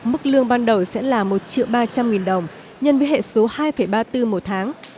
mức lương ban đầu sẽ là một triệu ba trăm linh nghìn đồng nhân với hệ số hai ba mươi bốn một tháng